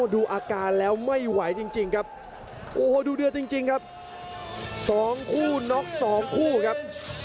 ดูอาการแล้วไม่ไหวจริงครับโอ้โหดูเดือดจริงครับ๒คู่น็อกสองคู่ครับ